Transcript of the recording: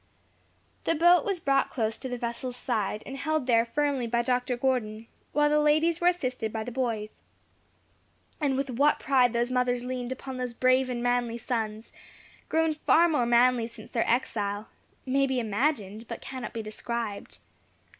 The boat was brought close to the vessel's side, and held there firmly by Dr. Gordon, while the ladies were assisted by the boys. And with what pride those mothers leaned upon those brave and manly sons grown far more manly since their exile may be imagined, but can not be described.